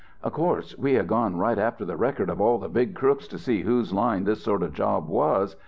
"Of course we had gone right after the record of all the big crooks to see whose line this sort of job was.